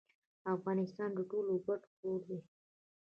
افغانستان د ټولو ګډ کور دی